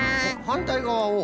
はんたいがわを？